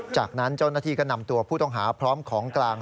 จากนั้นเจ้าหน้าที่ก็นำตัวผู้ต้องหาพร้อมของกลาง